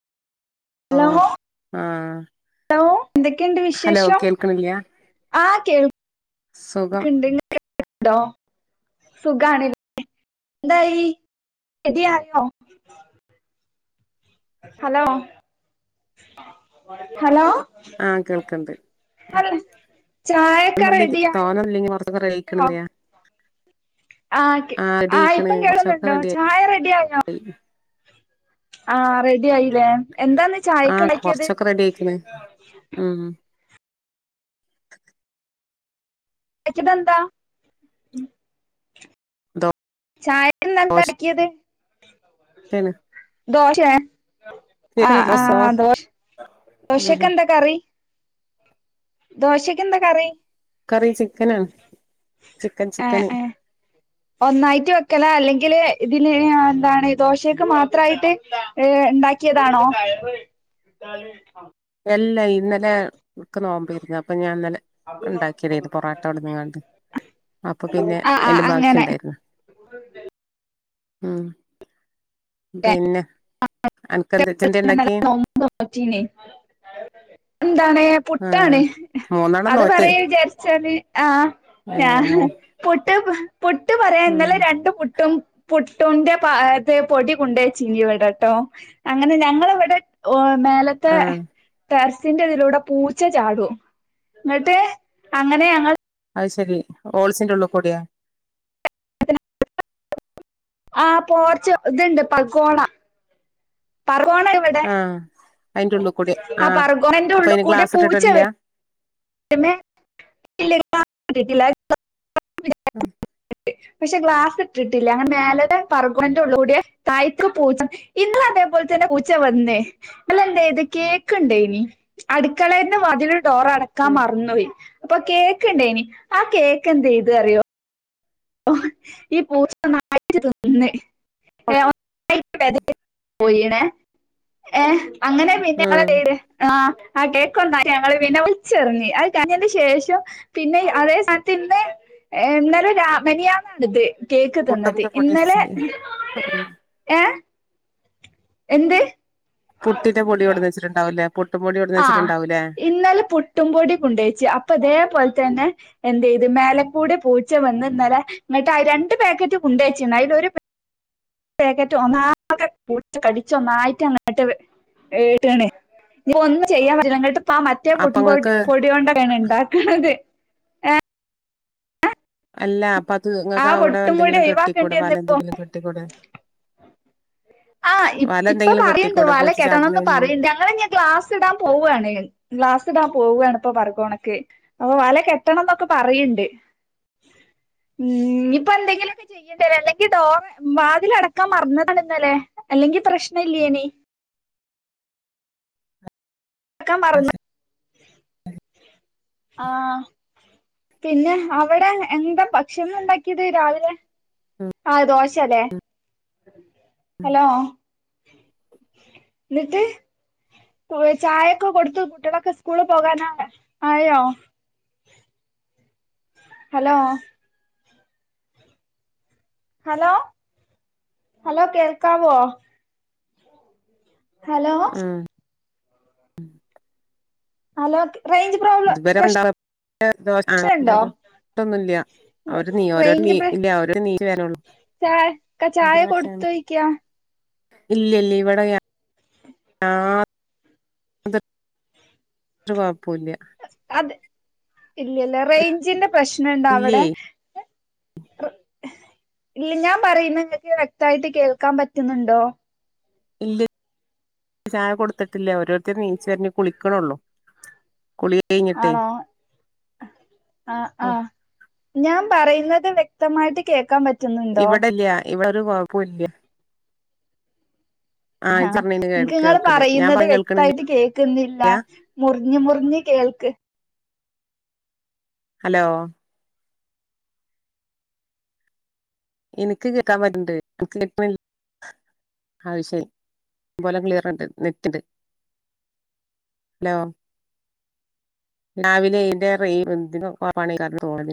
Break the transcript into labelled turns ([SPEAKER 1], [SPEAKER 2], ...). [SPEAKER 1] ഓ
[SPEAKER 2] hello
[SPEAKER 1] ആ
[SPEAKER 2] ലോ എന്തൊക്കെയുണ്ട്
[SPEAKER 1] ഹലോ
[SPEAKER 2] വിശേഷം
[SPEAKER 1] കേൾക്കണില്ല
[SPEAKER 2] ആ കേൾക്
[SPEAKER 1] സുഖം
[SPEAKER 2] ക്ണ്ട് ണ്ടോ സുഖാണ്ല്ലേ ന്തായി എരിയായോ ഹലോ ഹലോ
[SPEAKER 1] ആഹ് കേൾക്ണ്ട് ഉ
[SPEAKER 2] ഹലോ ചായൊക്കെ
[SPEAKER 1] ഒന്നുല്ലങ്കി
[SPEAKER 2] റെഡി
[SPEAKER 1] തോനല്ലെങ്കി [unintelligible]
[SPEAKER 2] ആകെ
[SPEAKER 1] റെഡി
[SPEAKER 2] ആ
[SPEAKER 1] ആയിക്കണ്
[SPEAKER 2] ഇപ്പം
[SPEAKER 1] കൊറച്ചൊക്കെ
[SPEAKER 2] കേളുന്നുണ്ടോ
[SPEAKER 1] റെഡി ആയി
[SPEAKER 2] ചായ റെഡി ആയോ? ആറെട് യയിലെ എന്താന്ന്
[SPEAKER 1] ആ
[SPEAKER 2] ചായക്കണക്കിയത്
[SPEAKER 1] കൊറച്ചൊക്കെ റെഡി ആയിക്കണ് ഉം
[SPEAKER 2] ക്കി ബന്ത ചായ
[SPEAKER 1] ദോശയാണ്
[SPEAKER 2] ഇന്നന്താക്കിയത് ദോശ ആ
[SPEAKER 1] കേക്കണി
[SPEAKER 2] ആ
[SPEAKER 1] ദോശ
[SPEAKER 2] ദോശ്
[SPEAKER 1] ഉം
[SPEAKER 2] ദോശക്കെ ന്താ കറി ദോശക്ക് എന്താ കറി
[SPEAKER 1] കറി ചിക്കനാണ് ചിക്കൻ
[SPEAKER 2] എ
[SPEAKER 1] ചിക്കന്
[SPEAKER 2] ഏ ഒന്നായിട്ട് വെക്കല അല്ലെങ്കില് ഇതില് ആ ന്താണ് ദോശക്ക് മാത്രയിട്ട് ണ്ടാക്കിയതാണോ?
[SPEAKER 1] ല്ല ഇന്നലെ ഇക്ക് നോമ്പേരുന്നു അപ്പൊ ഞാൻന്നലെ ക്ണ്ടാക്ക്യതേന്നു പൊറോട്ടോണ്ട്ങ്ങാൻത്തു അപ്പൊ പിന്നെ
[SPEAKER 2] ആഹ് ആഹ്
[SPEAKER 1] അയിന്റെ
[SPEAKER 2] അങ്ങനെ
[SPEAKER 1] ബാക്കിണ്ടായിരുന്നു ആഹ് പിന്നെ അൻകെന്താ ജ്ജ്ന്തേ
[SPEAKER 2] ഇന്നലെ
[SPEAKER 1] ണ്ടാക്കി
[SPEAKER 2] നോമ്പ് നോറ്റീനി എന്താണ് പുട്ടാണ്
[SPEAKER 1] മൂന്നെണ്ണം
[SPEAKER 2] അത്
[SPEAKER 1] നോറ്റ്
[SPEAKER 2] പറയാ ചാരിച്ചാല് ആഹ്
[SPEAKER 1] ഏ
[SPEAKER 2] ഞ
[SPEAKER 1] മൂ
[SPEAKER 2] പു ഇട്ട പുട്ട് പറയാൻ
[SPEAKER 1] ഉം
[SPEAKER 2] ഇന്നലെ രണ്ടു പുട്ടും പു [unintelligible] പൊടി കൊണ്ടേച്ചനി ഇവിടെട്ടോ അങ്ങനെ ഞങ്ങളവിടെ മേലത്തെ
[SPEAKER 1] ആ
[SPEAKER 2] ടെറ സിന്റെ ഇതിലൂടെ പൂച്ച ചാടും എന്നിട്ട് അങ്ങനെ ഞങ്ങള്
[SPEAKER 1] അത് ശരി ഹോൾസിന്റെ ഉള്ളിൽ കൂടിയാ
[SPEAKER 2] ആ പോർച്ച് ഇതുണ്ട് പകോള പർ
[SPEAKER 1] ആ അതിന്റെ ഉള്ളിൽ കൂടി ആ
[SPEAKER 2] പർഗോണന്റെ
[SPEAKER 1] അപ്പൊ
[SPEAKER 2] ഉള്ളിൽ
[SPEAKER 1] അതിന്
[SPEAKER 2] കൂടെ
[SPEAKER 1] ക്ലാസ്
[SPEAKER 2] പൂച്ച
[SPEAKER 1] ഇട്ടിട്ടില്ല
[SPEAKER 2] [unintelligible]
[SPEAKER 1] ആ
[SPEAKER 2] പക്ഷേ ഗ്ലാസ് ഇട്ടിട്ടില്ല മേലെ പർഗോന്റെ ഉള്ളിൽ കൂടെ താഴത്തെ പൂച്ച ഇന്നും അതുപോലെ തന്നെ പൂച്ച വന്നേ ഇന്നെന്താരുന്നു കേക്ക് ഉണ്ടായിന് അടുക്കളയിന്റെ പകുതി ഡോറ് അടക്കാൻ
[SPEAKER 1] ഉം
[SPEAKER 2] മറന്നുപോയി അപ്പൊ കേക്കുണ്ടായിനി ആ കേക്ക് എന്താ ചെയ്ത് അറിയോ ഓ ഈ പൂച്ച മറിച്ചിട്ട് തിന്നേ
[SPEAKER 1] ഉം
[SPEAKER 2] [unintelligible] ഏ അങ്ങനെ പിന്നെ
[SPEAKER 1] ഉം
[SPEAKER 2] [unintelligible] ആ ആ കേക്കൊണ്ട ഞങ്ങൾ പിന്നെ വലിച്ചെറിഞ്ഞ് അത് കഴിഞ്ഞതിന് ശേഷം പിന്നെ അതേ സ്ഥാനത്തിന്ന് ഇന്നലെ രാ മിനിഞാന്നാ എടുത്തേ കേക്ക് തന്നതി
[SPEAKER 1] പുട്ടന്റെ പൊടി
[SPEAKER 2] ഇന്നലെ
[SPEAKER 1] വെച്ച് ഉം
[SPEAKER 2] എ എന്ത്
[SPEAKER 1] പുട്ടിന്റെ പൊടി കൊണ്ടുവന്ന് വെച്ചിട്ടുണ്ടാവൂല്ലേ പുട്ടും പൊടി കൊടന്ന്
[SPEAKER 2] ആ
[SPEAKER 1] വെച്ചിട്ടുണ്ടാവൂല്ലേ
[SPEAKER 2] ഇന്നലെ പുട്ടും പൊടി കൊണ്ടോച്ചു അപ്പൊ അതേപോലെ തന്നെ എന്ത് ചെയ്തു മേലക്കൂടെ പൂച്ച വന്ന് ഇന്നാലെ ഇങ്ങട്ട് രണ്ട് പാക്കറ്റ് കൊണ്ട് വച്ചിരുന്നു അതിൽ ഒരു പാ ക്കറ്റ് ഒന്നാകെ പൂച്ച കടിച്ച് ഒന്നായിട്ട് അങ്ങോട്ട് ഇനി ഒന്നും ചെയ്യാൻ പറ്റില്ല അങ്ങോട്ട് അപ്പ ആ മറ്റേ
[SPEAKER 1] അപ്പൊ ഇങ്ങക്ക്
[SPEAKER 2] പൊടികൊണ്ട് വേണം ഉണ്ടാക്കണത്. ഏ
[SPEAKER 1] അല്ല അത്
[SPEAKER 2] ആ
[SPEAKER 1] ഇങ്ങക്ക് അവിടെ
[SPEAKER 2] പട്ടുമൂടി
[SPEAKER 1] എന്തെങ്കിലും
[SPEAKER 2] ഒഴിവാക്കേണ്ടി
[SPEAKER 1] കെട്ടിക്കൂടെ വല
[SPEAKER 2] എന്തപ്പ
[SPEAKER 1] എന്തെങ്കിലും കെട്ടിക്കൂടെ
[SPEAKER 2] ആ
[SPEAKER 1] വല
[SPEAKER 2] ഇപ്പൊ
[SPEAKER 1] എന്തെങ്കിലും
[SPEAKER 2] പറയുണ്ട്
[SPEAKER 1] കെട്ടിക്കൂടെ
[SPEAKER 2] വല
[SPEAKER 1] പൂച്ച
[SPEAKER 2] കെട്ടണൊന്ന്
[SPEAKER 1] ചാടണേന്
[SPEAKER 2] പറയണ്ട് ഞങ്ങളിനി ഗ്ലാസ് ഇടാൻ പോവാണ് ഗ്ലാസ് ഇടാൻ പോവാണ് ഉപ്പ പറ ണക്ക് ഓ വല കെട്ടണം എന്നൊക്കെ പറയുണ്ട് ഉം ഇപ്പൊ എന്തെങ്കിലുമൊക്കെ ചെയ്യേണ്ടി അല്ലെങ്കിൽ ഡോർ വാതിൽ അടക്കാൻ മറന്നേക്കണ് ഇന്നലെ അല്ലെങ്കിൽ പ്രശ്നം ഇല്ലേന്ന് അടക്കാൻ മറന്ന് ആ പിന്നെ അവിടെ എന്താ ഭക്ഷണം ഉണ്ടാക്കിയത് രാവിലെ
[SPEAKER 1] ഉം
[SPEAKER 2] ആ ദോ [unintelligible] ഹലോ എന്നിട്ട് പോ ചായൊക്കെ കൊടുത്തു കുട്ടികളൊക്കെ സ്കൂൾ പോകാനാ ആയോ? ഹലോ ഹലോ ഹലോ കേൾക്കാവോ? ഹലോ
[SPEAKER 1] ഉം
[SPEAKER 2] ഹലോക്ക
[SPEAKER 1] ഇതുവരെണ്ട
[SPEAKER 2] പ്രശ്നണ്ടോ
[SPEAKER 1] [unintelligible] ട്ടൊന്നുംല്ല, അവര് നീ ഓരോ നീ
[SPEAKER 2] റേഞ്ച്
[SPEAKER 1] ഇല്ല അവരോ നീ വരള്ളു
[SPEAKER 2] ചായ ചായ
[SPEAKER 1] [unintelligible]
[SPEAKER 2] കൊടുത്തോയ്ക്കാ
[SPEAKER 1] ഇല്ല ഇല്ല ഇവിടെ [unintelligible] പൊല്ല
[SPEAKER 2] അത് ഇല്ലല്ല റേഞ്ചിന്റെ പ്രശ്നുണ്ടോ
[SPEAKER 1] ഇല്ലേ
[SPEAKER 2] അവിടെ ർ [unintelligible] ല്ല ഞാൻ പറയുന്ന നിങ്ങക്ക് വെക്തായിട്ട് കേൾക്കാൻ പറ്റുന്നുണ്ടോ?
[SPEAKER 1] ഇല്ല ചായ കൊടുത്തിട്ടില്ല ഓരോരുത്തര നീച്ചരിഞ് കുളിക്കണള്ളു. കുളി കഴഞ്ഞിട്ടേ
[SPEAKER 2] ആണോ ആ ആ ഞാൻ പറയുന്നത് വ്യക്തമായിട്ട് കേൾക്കാൻ പറ് പറ്റുന്നുണ്ടോ?
[SPEAKER 1] ഇവിടൊരു കൊഴപ്പില്ല.
[SPEAKER 2] ആഹ എനിക്ക് നിങ്ങള് പറയുന്നത്
[SPEAKER 1] പറഞ്ഞ കേൾക്കണില്ല
[SPEAKER 2] വ്യക്തായിട്ട് കേൾക്കുന്നില്ല മുറിഞ് മുറിഞ്ഞ് കേൾക്ക്
[SPEAKER 1] ഹലോ എനിക്ക് കേക്കാൻ പറ്റണ്ട് എനിക്ക് കേട്ടണി അത് ശരി [unintelligible] റെഡ് നെറ്റ്ണ്ട്, ല്ലാ രാവിലെ ഇന്റെ റെ [unintelligible]